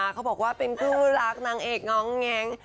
เขาบอกว่าเป็นคู่รักนางเอกง้องแง้ง